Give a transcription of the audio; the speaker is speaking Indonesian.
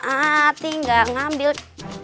ah tinggal ngambil